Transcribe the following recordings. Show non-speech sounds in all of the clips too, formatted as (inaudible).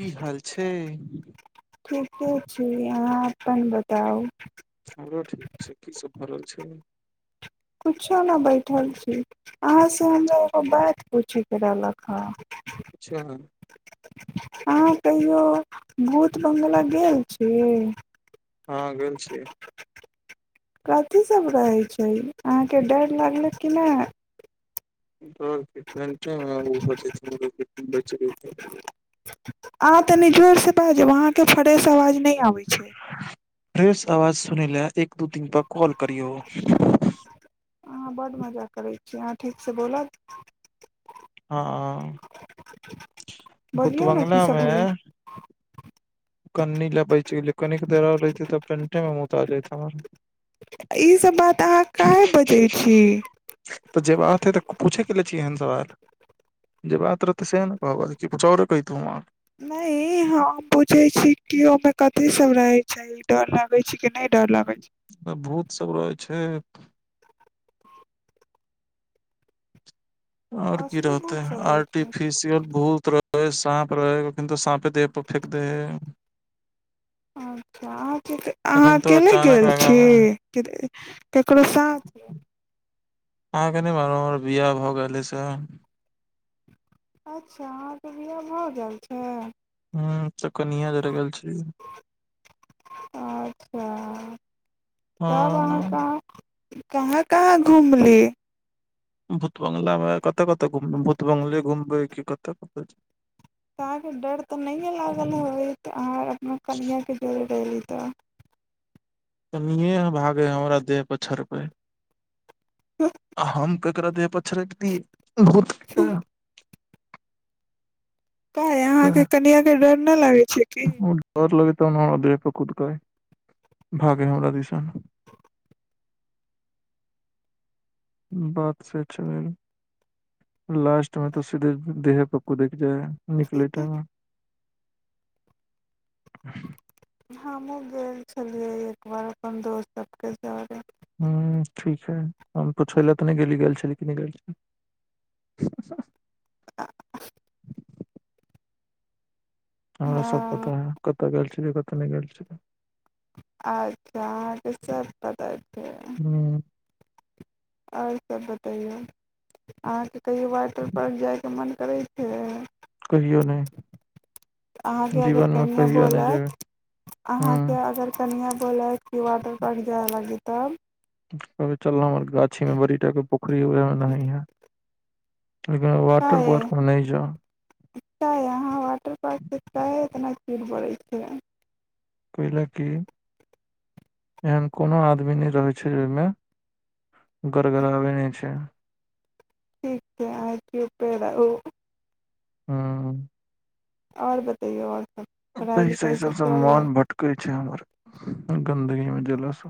की हाल छै ठीके छी आहाँ अपन बताउ हमरो ठीक छै की सभ भ रहल छै कुछो ने बैठल छी अहाँ से हमरा एगो बात पूछे के रहलक हँ अच्छा अहाँ कहियौ भूत बङ्गला गेल छी हँ गेल छीयै कथी सभ रहै छै अहाँके डर लागलक कि नहि डर की पेंटे मे हगू भ जयते लेकिन बचि गेली आहाँ तनि जोर से बाजब आहाँके फ्रेश आवाज नहि आबै छै फ्रेस आवाज सुनै ले एक दू तीन बार कॉल करियौ की‌‌ आहाँ ठीक से बोलऽ हँ भुत बोलियौ ने की बंगला सब मे भेलै कन्नी ले बैच गेलि कनिक देर और रहिते तऽ पेंटे मे मूता जायत हमर ई सभ बात अहाँ काहे बजै छी छी एहन सवाल जे बात रहतै सेह‌ ने कहबै की कुछो औरे कहि दू हम आहाँ के नहि हम पूछै छी कि ओहिमे कथी सब रहै छै डर लगै छै कि नहि डर लागे भूत सब रहै छै आओर की असली रहतेै बहुत सब रहै छै आर्टिफिशियल भूत रहै से कहाँ पर रहै कखैनतो साँपे देह पर फेेक दे है अच्छा अहाँ क अहाँ एखन तो अकेले अचानक गेल आगा छी मे केकरो साथ अहाँके नहि मालूम हमर बिआह भऽ गेल एय से अच्छा आहाँ के बिआह भ गेल छै ह तऽ कनिआ जरे गेल छलियै अच्छा तब अहाँ कहाँ कहाँ कहाँ घूमली भूतबंगलामे कतऽ कत घुमबै भूत बङंगला घुमबै की कतय कतय जेबय तऽ अहाँके डर तऽ नहिये लागल होयत अहाँ अपना कनिआ के डर डहली तऽ कनिए भागय हमरा देह पर छड़पै हम केकरा देह पर छरपतियै भूत के काय अहाँके कनिया के डर ने लागे छै की। तब ने हमरा देह पे कूदके, भागे हमरा दिसा। बात से छैल। लास्ट मे ते सीधे देहे ओय कूदेक जाय निकलै टाइममे। ह हमु गेल छलियै एक बार अपन दोस्त सबके सारे। में ह ठीक छै हम पूछैलए ते ने गेली गेल छली कि ने गेल छली। हमरा सब हँ पता हय कता गेल ये कतो ने गेल छै। अच्छा अहाँके सब पता हाँ। और सब बतैयौ अहाँके कहियो वाटर पार्क जायके मन करै छै। कहियो नहि अहां के अगर जीवन मे कनिया कहियो नहि जेबै बोलत, अहां हूँ के अगर कनिया बोलत की वाटर पार्क जाय लागी तब। कहबे चला हमर गाछी मे बड़ीटा के पो खरी उहाए मे नहाहिये। लेकिन वाटर काहे पार्क मे ने जोउ। काहे अहाँ वाटर पार्क से काहे (unintelligible) छै। कयला कि एहन कोनो आदमी ने रहै छै ओय मे गड़गड़ाबै ने छै। ठीक छै, आर कियो फेरउ हाँ। और बतैयौ और पैसा ऐसा सब मन भटकै छै हमर। अ गन्दगी मे जेला से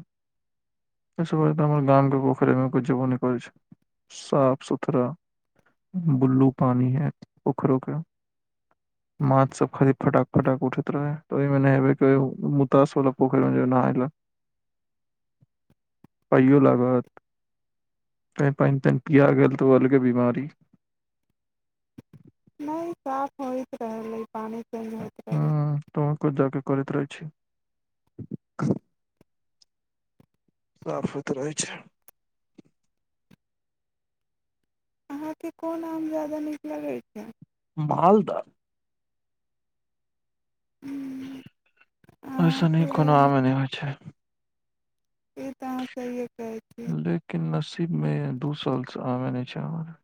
ऐसे बढ़िया हमर गाम के पोखरी मे बुझबो ने करै छै, साफ सुथरा बुल्लू पानी हाएत पोखरो के, माछ सब खाली फटा फटाक उठैत रहे त ओयमे नेहेबे ते मुतास वला पोखर मे जेबै नहाले, पाइयो लागत ते पेएन तेएन पिया गेल तऽ उ अलगे बीमारी। ने साफ होएत रहले पानी। चेंज होइत रहलै हाँ तूहो कुछ जाके करैत रहे छै। साफ सुथ रहै छै। अहाँ के कोन आम जादा नीक लगै छै। मालदा। ह्म्म। ओय सनी कोनो आमे ने होय छै। तऽ अहाँ सहिए कहै छी लेकिन नस इब मे दू साल से आमे ने छै हमर।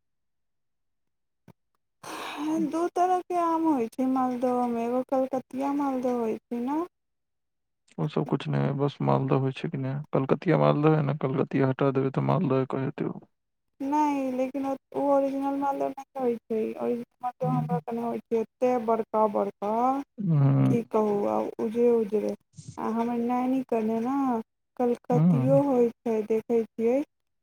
दू तरहके आम होय छै मालदो मे, एगो कलकतिया मालदा होय छै ने। ओसभ किछु नहि हइ बस मालदह होइ छै कि नहि कलकतिया मालदह हइ ने कलकतिया हटा देबै तऽ मालदह एकर हेतै उ नहि लेकिन ओ ओरिजिनल मालदह नहि होइ छै ई ओरिजिनल मालदह मतलब हूं हमरा कनी होइ छै एते बड़का बड़का ह हूं की कहु आ उजरे उजरे आ हमर नैनी करले न कलकतियो हूं होइ छै देख छै जे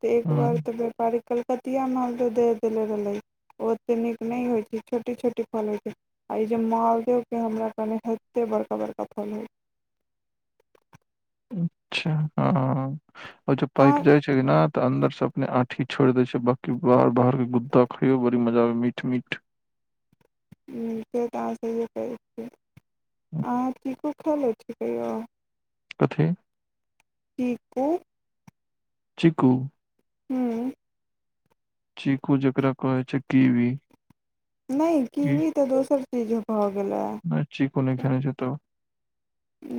तऽ एक हूं बार तऽ ओहि कलकतिया मालदह दे है तऽ लेबले ओ ओतेक नीक नहि होइ छै छोटी छोटी फल होइ छै आ ई जे मालदके हमरा एते बड़का बड़का फल अच्छा हँ आओर जब अहाँ पाइक जाइ छै नै तऽ अन्दर से अपने आँठी छोड़ि दै छिय बाँकी बाहर बाहरके गुद्दा खइयो बड़ी मजा आबै मीठ मीठ ह से तऽ अहाँ सहिये कहय छियै अहाँ चीकू खयलो छी कहियो कथी चीकू चीकू हूँ चीकू जकरा कहै छै कीवी नहि की कीवी तऽ दोसर चीज भऽ गेलै नै चीकू नै खेने छियै तब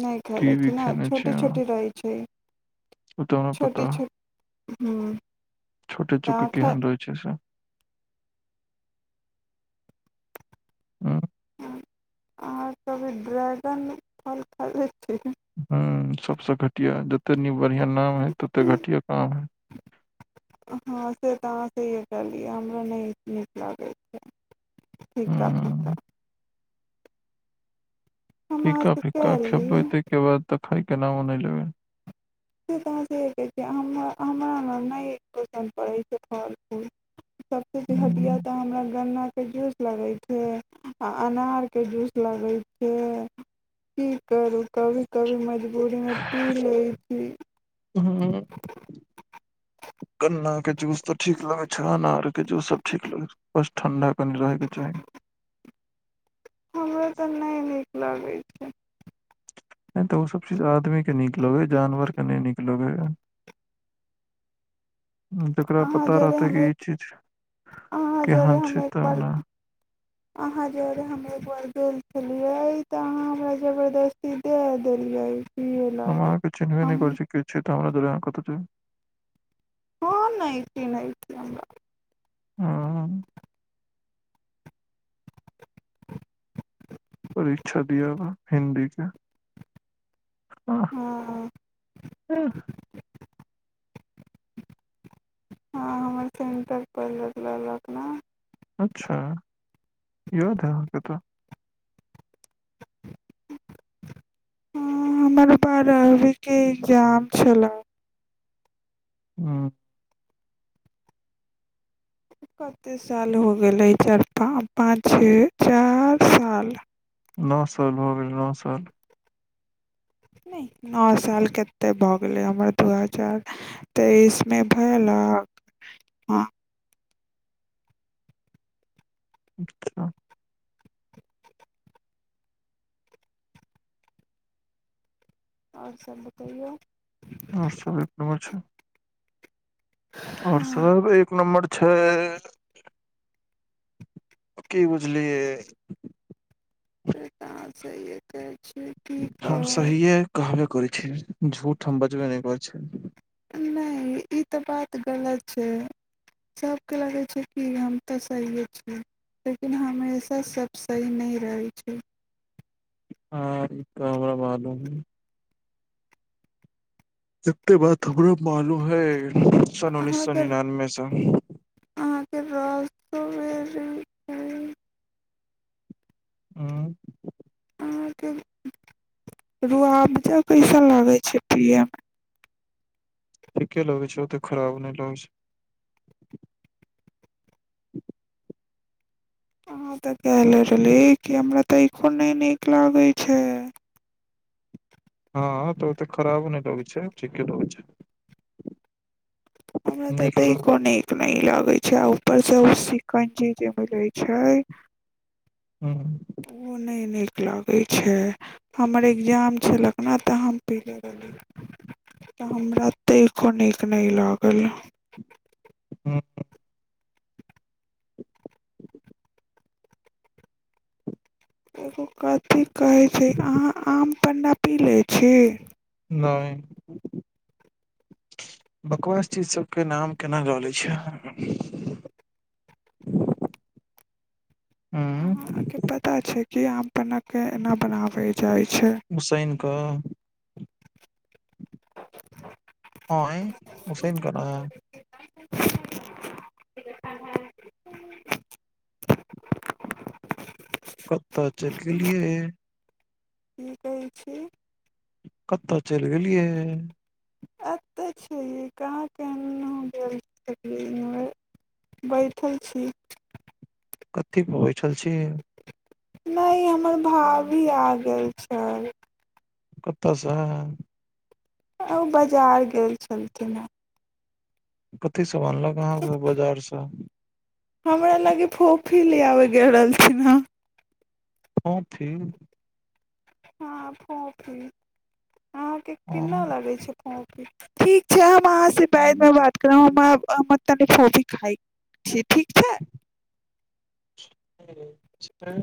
नहि खेने छी ने छोटे छोटे रहै छै ओ तऽ हमरा पता छोटे है छोट हूँ गोटे तऽ अहाँ छोटे खाय केहन रहै छै से ह्म अहाँ सब ड्रैगन फल खयले ह सबसे घटिया कनी बढ़िया नाम है तते घटिया काम है हँ से तऽ अहाँ सहिये कहलियै हमरा नहि नीक लागै छै फीका हुं फीका हम फिका अहाँसँ फिका कहली खयबै तै के बाद तऽ खाय के नामो नहि लेबै से तऽ अहाँ सहिये कहै छी हमरा हमरा ने नहि पसन्द पड़ै छै फल फूल सभसे घटिया उम्म, तऽ हमरा गन्ना के जूस लगे छै आ अनार के जूस लगे छै, की करू कभी-कभी मज बूरी मे पी लै ह्म्म गन्ना के जूस तऽ ठीक लगे छै, अनार के जूस सब ठीक लगे छै (unintelligible) ठंढ़ा तनी रहे के चाही। हमरो ते ने नीक लागै छै। हाँ ते उ सब चीज आदमीे के निक लगे, जानवर के ने निक लगे या। जकरा अहाँ पता जरे रहतै हम कि ई एक चीज अहाँ जरे केहेन हम छै एक तब बार ने। अहाँ जोड़े हम एकबार गेम खेलियै ते अहाँ हमरा जबरदस्ती दाए देलियै। पियै हम अहाँ लागी के चिन्हबे ने हम करे छी के छी। त हमर (unintelligible) कता छै। अहाँ ने चिन्हे छी हमरा। हाँ। परीक्षा दियाबा हिन्दी के। आह हँ अह। हाँ हमर सेंटर परलक ललक न। अच्छा याद हाय अहाँके तऽ। हाँ हमर बारहवी के इग्जाम छला। हाँ। कते साल हो गेलै चार पान पाँच छै चार साल। नौ साल भ गेल, नौ साल। ने नौ साल केते भऽ गेले, हमर दू हजार तेइसमे भेलक हाँ। अच्छा। और सब बतैयो। और सब एक नमर छै। और कहाँ सब एक नम्बर छै की बुझलियै। अच्छा एके हम सहिये कहबे करी। छै, झूठ हम बजबे ने करै छी। ने ई ते बात गलत छै सबके लगै छै कि हम ते सहिये छी, लेकिन हमेशा सब सही ने रहै छै। हाँ इ ते हमरा मालूम एते बात हमरा मालूम हय। सन उन्नीस सौ अहाँके निनानबे से। अहाँके रसबेरी उम्म। अहाँ के रुआबजा कैसा लागे छै पिए मे। ठीके लगै छै, ओते खराब ने लगै छै। अहाँ ते काय लरली कैमरा तैखो ने नीक लागे छै। हाँ तऽ ओते खराबो ने लगे छै, ठीके लगे छै। हमरा तऽ नीक लग दैको निक ने लागै होय छै आउ (unintelligible) जे मिलै छै। ह्म्म। उ ने नीक लागै छै, हमर इग्जाम छलक ने तऽ हम (unintelligible) रहली तऽ हमरा तैको नीक ने लागल। ह्म्म। (inaudible) एगो कथी कहै छै, अहाँ आम पन्ना पी लै छी। ने बकवास चीज सबके नाम केना ल लै छिये अहाँ। अहाँ के पता छै। की आम पना के एना बनाबै जाय छै। क एं उसैन के ना। (unintelligible) कतऽ चलि गेलियै की कहे छी। कता चैल गेलियै। एतय छी कहाँ किन्हो गेल छलिये इन्हों बैठल छी। कथी पर बैठल छी। ने हमर भाभी आ गेल छल। कता से। आ उ बजार गेल छलखिन हय। थी सब आनलक अहाँ के बजार से। हमरा लागे फोफी ले आबै गेल रहलथिन हन। फोफी। हाँ फोफी। अहाँ के आम, किनौ लगे छै फो ठीक छै हम अहाँ से बादमे बात करब हम आब हम तनि फोफी खाय छी ठीक। छै (inaudible) छै।